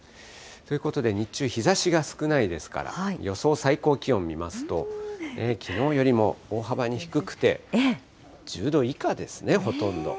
ということで、日中、日ざしが少ないですから、予想最高気温見ますと、きのうよりも大幅に低くて、１０度以下ですね、ほとんど。